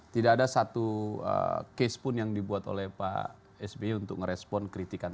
tidak ada satu case pun yang dibuat oleh pak sby untuk merespon kritikan